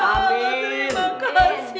haza berterima kasih gusti